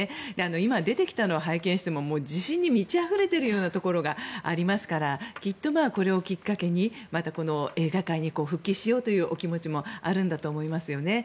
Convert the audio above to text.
今、出てきたのを拝見しても自信に満ちあふれているようなところがありますからきっとこれをきっかけに映画界に復帰したいというお気持ちもあるんだと思いますよね。